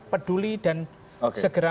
peduli dan segera